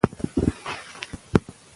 تولید د توکو او خدماتو جوړښت دی.